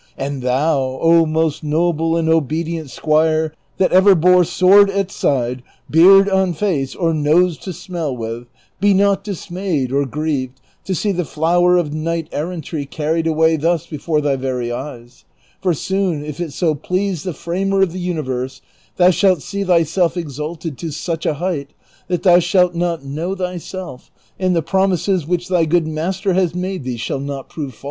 And thou, 0 most noble and obedient srpure that ever bore sword at side, beard on face, or nose to smell with, be not dis mayed or grieved to see the flower of knight errantry carried away thus before thy very eyes ; for soon, if it so please the Framer of the universe, thou shalt see thyself exalted to such a height that thou shalt not know thyself, and the promises which thy good master has made thee shall not prove false ;' This resembles the scene in the Morgante Maggiore (xii.